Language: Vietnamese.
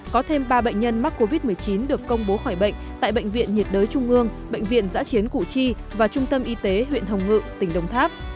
có thêm ba bệnh nhân mắc covid một mươi chín được công bố khỏi bệnh tại bệnh viện nhiệt đới trung ương bệnh viện giã chiến củ chi và trung tâm y tế huyện hồng ngự tỉnh đồng tháp